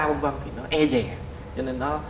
vân vân thì nó e dè cho nên nó